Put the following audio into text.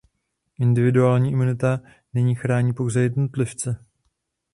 Individuální imunita nyní chrání pouze jednotlivce.